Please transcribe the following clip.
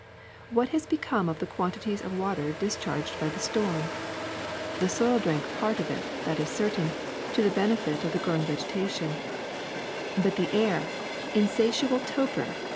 '^^Miat has become of the quantities of water dis charged by the storm? The soil drank part of it, that is certain, to the benefit of the growing vegeta tion; but the air — insatiable toper!